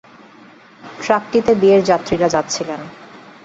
ট্রাকটিতে বিয়ের যাত্রীরা যাচ্ছিলেন।